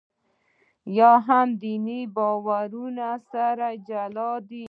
یا هم دیني باورونه یې سره جلا دي.